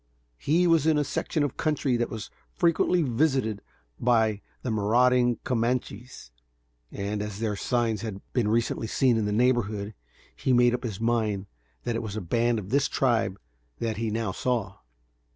He was in a section of country that was frequently visited by the marauding Camanches, and, as their signs had been recently seen in the neighborhood, he made up his mind that it was a band of this tribe that he now saw.